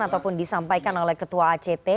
ataupun disampaikan oleh ketua act